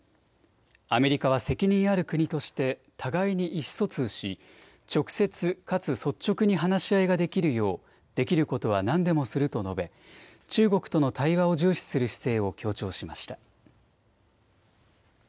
アメリカは責任ある国として互いに意思疎通し直接かつ率直に話し合いができるようできることは何でもすると述べ中国との対話を重視する姿勢を強調しました。